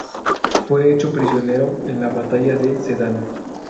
Fue hecho prisionero en la Batalla de Sedán.